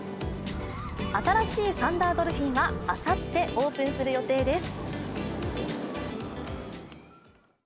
新しいサンダードルフィンは、あさってオープンする予定です。